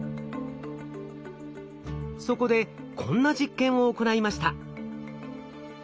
そこでこんな実験を行いました。